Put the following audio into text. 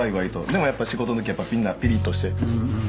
でもやっぱ仕事の時はみんなピリッとして。